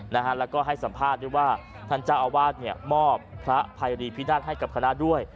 แล้วก็ให้สัมภาษณ์ด้วยว่าท่านเจ้าอาวาสเนี่ยมอบพระภัยรีพินาศให้กับคณะด้วย